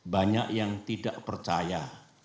banyak yang tidak percaya